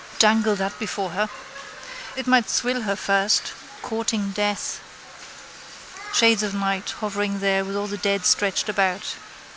Dangle that before her. It might thrill her first. Courting death. Shades of night hovering here with all the dead stretched about.